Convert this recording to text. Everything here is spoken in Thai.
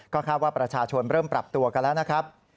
ก็คาดว่าประชาชนเริ่มปรับตัวกันแล้ว